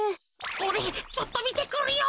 おれちょっとみてくるよ。